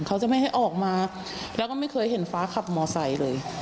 เขาจะไม่ให้ออกมาแล้วก็ไม่เคยเห็นฟ้าขับมอไซค์เลย